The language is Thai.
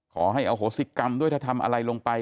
ขอให้อโหสิกรรมด้วยถ้าทำอะไรลงไป